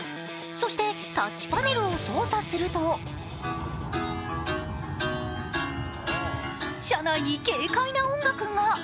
そして、タッチパネルを操作すると車内に軽快な音楽が。